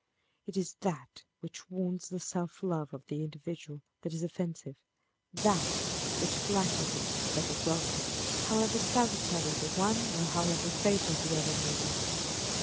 It is that which wounds the self love of the individual that is offensive â€" that which flatters it that is welcome â€" however salutary the one, or however fatal the other may be.